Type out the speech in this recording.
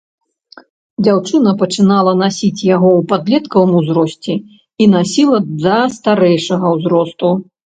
Дзяўчына пачынала насіць яго ў падлеткавым узросце і насіла да старэйшага ўзросту.